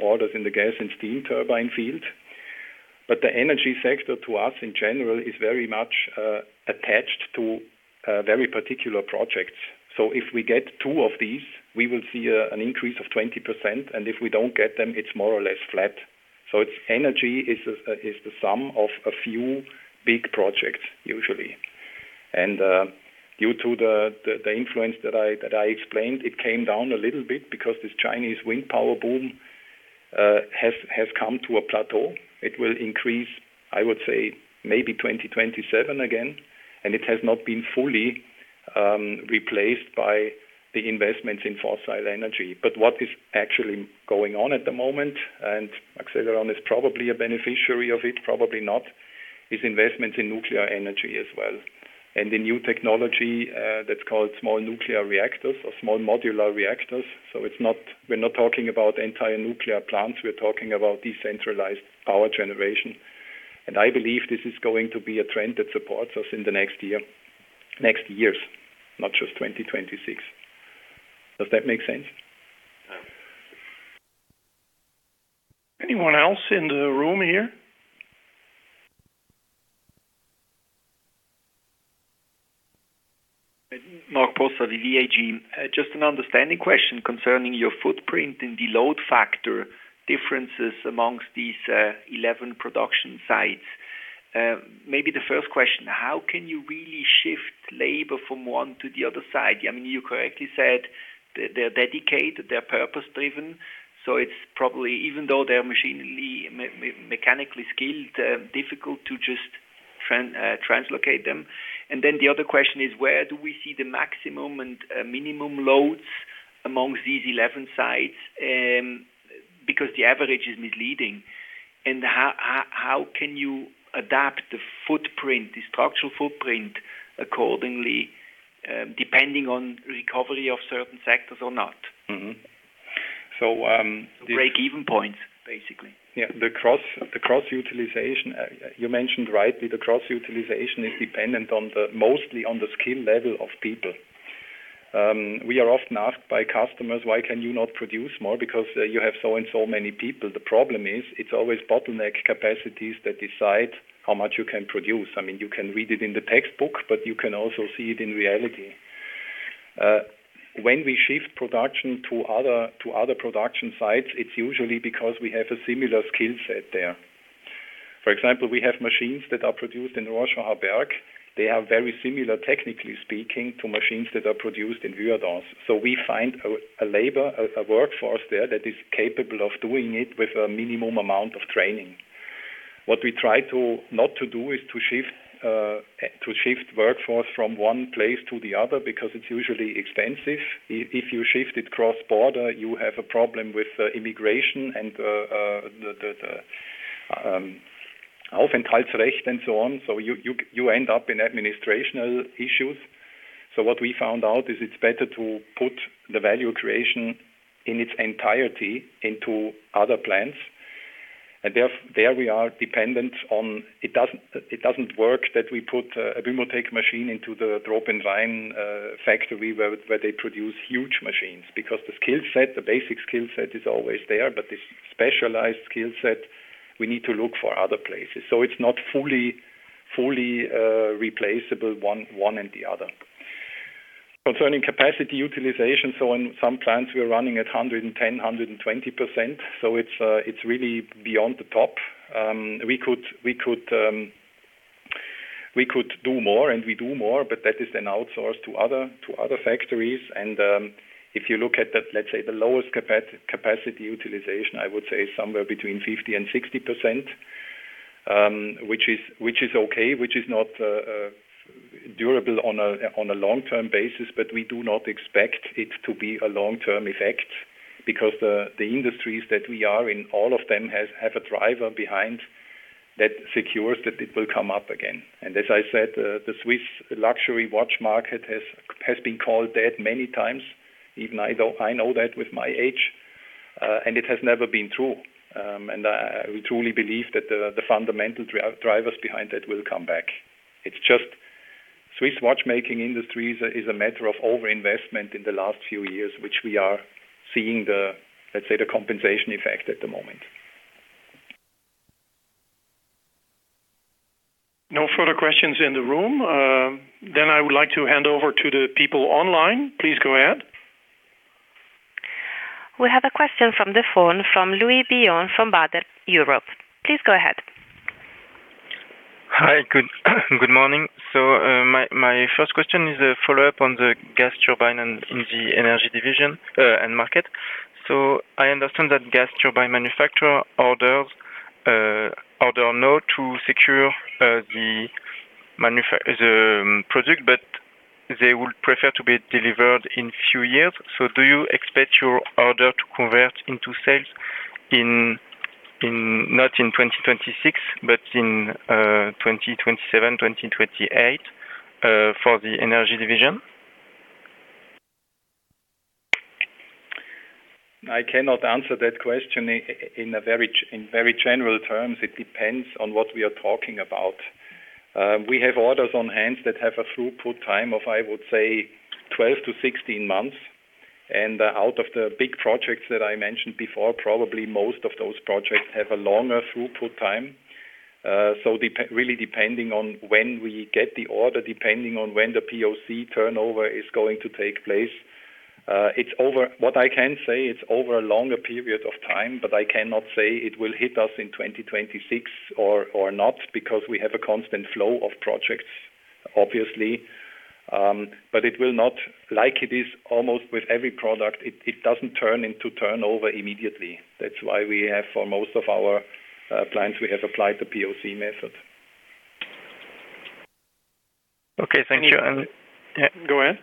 orders in the gas and steam turbine field. The Energy sector to us, in general, is very much attached to very particular projects. If we get two of these, we will see an increase of 20%, and if we don't get them, it's more or less flat. Energy is the sum of a few big projects, usually. Due to the influence that I explained, it came down a little bit because this Chinese wind power boom has come to a plateau. It will increase, I would say, maybe 2027 again, and it has not been fully replaced by the investments in fossil energy. What is actually going on at the moment, and Accelleron is probably a beneficiary of it, probably not, is investment in nuclear energy as well. The new technology that's called small nuclear reactors or small modular reactors. We're not talking about entire nuclear plants, we're talking about decentralized power generation. I believe this is going to be a trend that supports us in the next years, not just 2026. Does that make sense? Yeah. Anyone else in the room here? Marc Possa, VV Vermögensverwaltung AG. Just an understanding question concerning your footprint and the load factor differences among these 11 production sites. Maybe the first question, how can you really shift labor from one to the other site? I mean, you correctly said they're dedicated, they're purpose-driven. It's probably, even though they are mechanically skilled, difficult to just translocate them. Then the other question is, where do we see the maximum and minimum loads among these 11 sites? Because the average is misleading. How can you adapt the footprint, the structural footprint accordingly, depending on recovery of certain sectors or not break-even points, basically. Yeah. The cross-utilization, you mentioned rightly, the cross-utilization is dependent mostly on the skill level of people. We are often asked by customers, "Why can you not produce more? Because you have so and so many people." The problem is, it's always bottleneck capacities that decide how much you can produce. I mean, you can read it in the textbook, but you can also see it in reality. When we shift production to other production sites, it's usually because we have a similar skill set there. For example, we have machines that are produced in Rorschacherberg. They are very similar, technically speaking, to machines that are produced in Vuadens. So we find a workforce there that is capable of doing it with a minimum amount of training. What we try not to do is to shift workforce from one place to the other because it's usually expensive. If you shift it cross-border, you have a problem with immigration and so on. You end up in administrative issues. What we found out is it's better to put the value creation in its entirety into other plants. There we are dependent on. It doesn't work that we put a Bumotec machine into the Rorschacherberg factory where they produce huge machines because the skill set, the basic skill set is always there. But the specialized skill set, we need to look for other places. It's not fully replaceable one and the other. Concerning capacity utilization, in some plants, we're running at 110%, 120%. It's really beyond the top. We could do more, and we do more, but that is then outsourced to other factories. If you look at the, let's say, the lowest capacity utilization, I would say somewhere between 50% and 60%, which is okay, which is not durable on a long-term basis, but we do not expect it to be a long-term effect because the industries that we are in, all of them have a driver behind that secures that it will come up again. As I said, the Swiss luxury watch market has been called dead many times. Even I know that with my age, and it has never been true. We truly believe that the fundamental drivers behind that will come back. It's just the Swiss watchmaking industry is a matter of over-investment in the last few years, which we are seeing, let's say, the compensation effect at the moment. No further questions in the room. I would like to hand over to the people online. Please go ahead. We have a question from the phone from Louis Billon from Baader Europe. Please go ahead. Hi. Good morning. My first question is a follow-up on the gas turbine and in the Energy division end market. I understand that gas turbine manufacturers order now to secure the product, but they would prefer to be delivered in few years. Do you expect your order to convert into sales in not in 2026, but in 2027, 2028, for the Energy division? I cannot answer that question in very general terms. It depends on what we are talking about. We have orders on hand that have a throughput time of, I would say, 12-16 months. Out of the big projects that I mentioned before, probably most of those projects have a longer throughput time. Really depending on when we get the order, depending on when the POC turnover is going to take place. What I can say, it's over a longer period of time, but I cannot say it will hit us in 2026 or not, because we have a constant flow of projects, obviously. Like it is almost with every product, it doesn't turn into turnover immediately. That's why we have for most of our clients, we have applied the POC method. Okay, thank you. Go ahead.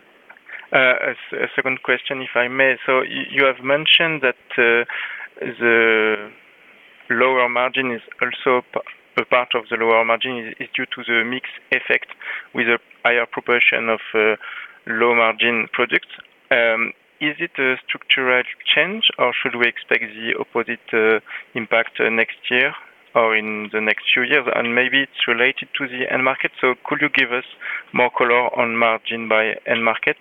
Second question, if I may. You have mentioned that the lower margin is also a part of the lower margin is due to the mix effect with a higher proportion of low margin products. Is it a structural change, or should we expect the opposite impact next year or in the next few years? Maybe it's related to the end market. Could you give us more color on margin by end market?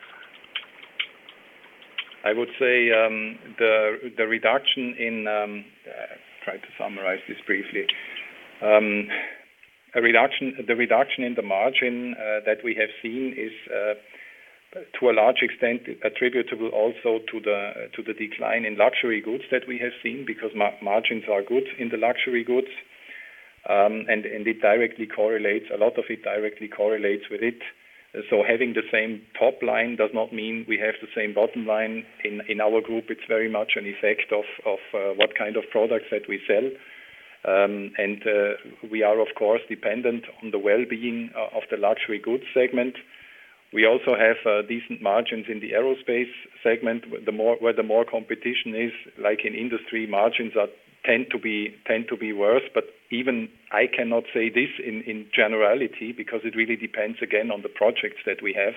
I would say, the reduction in—I'll try to summarize this briefly. The reduction in the margin that we have seen is to a large extent attributable also to the decline in Luxury Goods that we have seen because margins are good in the Luxury Goods; and it directly correlates. A lot of it directly correlates with it. Having the same top line does not mean we have the same bottom line. In our group, it's very much an effect of what kind of products that we sell. And we are of course dependent on the wellbeing of the Luxury Goods segment. We also have decent margins in the Aerospace segment. Where the more competition is, like in Industrial, margins tend to be worse. Even I cannot say this in generality because it really depends, again, on the projects that we have.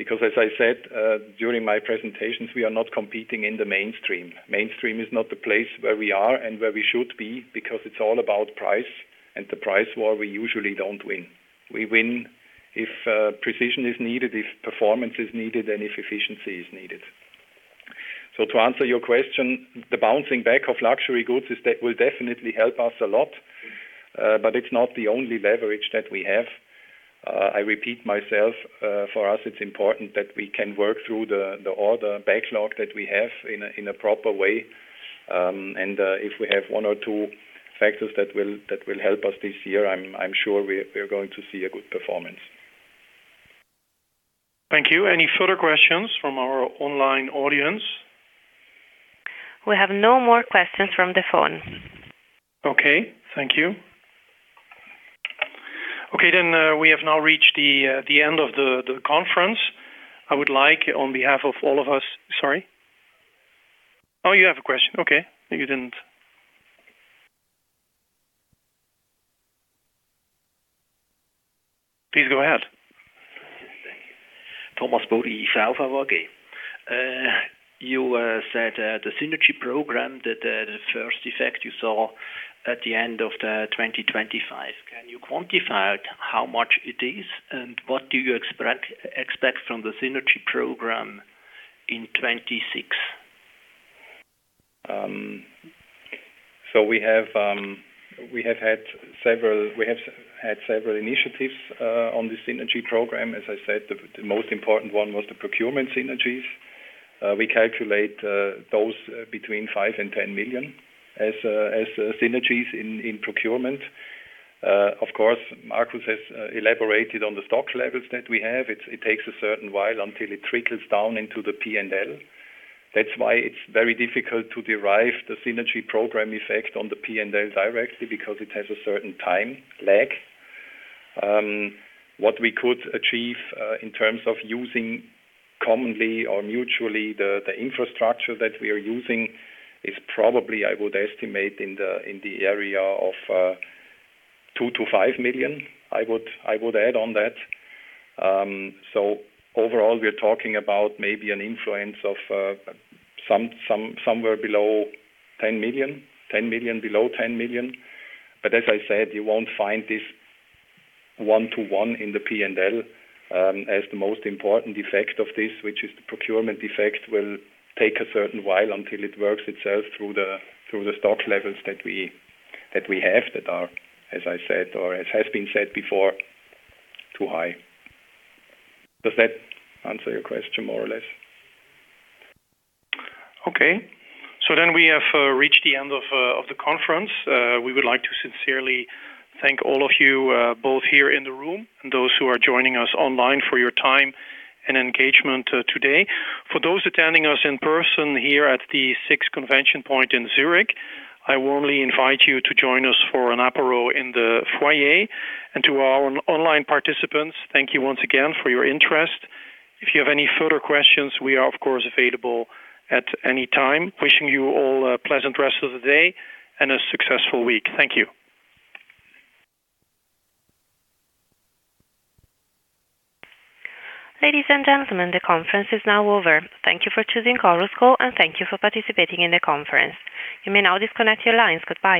As I said during my presentations, we are not competing in the mainstream. Mainstream is not the place where we are and where we should be because it's all about price, and the price war, we usually don't win. We win if precision is needed, if performance is needed, and if efficiency is needed. To answer your question, the bouncing back of Luxury Goods is that will definitely help us a lot, but it's not the only leverage that we have. I repeat myself, for us, it's important that we can work through the order backlog that we have in a proper way. If we have one or two factors that will help us this year, I'm sure we're going to see a good performance. Thank you. Any further questions from our online audience? We have no more questions from the phone. Okay. Thank you. Okay, we have now reached the end of the conference. I would like on behalf of all of us. Sorry. Oh, you have a question. Okay. You didn't. Please go ahead. Thank you. [Thomas Bodi], [South Awage]. You said the synergy program that the first effect you saw at the end of 2025. Can you quantify how much it is, and what do you expect from the synergy program in 2026? We have had several initiatives on the synergy program. As I said, the most important one was the procurement synergies. We calculate those between 5 million and 10 million as synergies in procurement. Of course, Markus has elaborated on the stock levels that we have. It takes a certain while until it trickles down into the P&L. That's why it's very difficult to derive the synergy program effect on the P&L directly because it has a certain time lag. What we could achieve in terms of using commonly or mutually the infrastructure that we are using is probably. I would estimate in the area of 2 million- 5 million, I would add on that. Overall, we are talking about maybe an influence of some somewhere below 10 million. As I said, you won't find this one-to-one in the P&L, as the most important effect of this, which is the procurement effect, will take a certain while until it works itself through the stock levels that we have that are, as I said, or as has been said before, too high. Does that answer your question more or less? Okay. We have reached the end of the conference. We would like to sincerely thank all of you, both here in the room and those who are joining us online for your time and engagement today. For those attending us in person here at the SIX ConventionPoint in Zurich, I warmly invite you to join us for an apéro in the foyer. To our online participants, thank you once again for your interest. If you have any further questions, we are, of course, available at any time. Wishing you all a pleasant rest of the day and a successful week. Thank you. Ladies and gentlemen, the conference is now over. Thank you for choosing Chorus Call, and thank you for participating in the conference. You may now disconnect your lines. Goodbye.